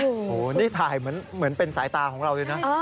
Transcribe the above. โอ้โหนี่ถ่ายเหมือนเป็นสายตาของเราเลยนะ